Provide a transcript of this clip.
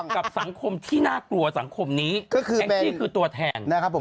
กับสังคมที่น่ากลัวสังคมนี้แองจี้คือตัวแทน